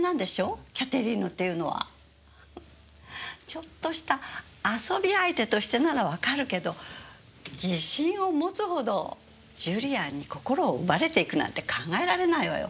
ちょっとした遊び相手としてならわかるけど疑心を持つほどジュリアンに心を奪われていくなんて考えられないわよ。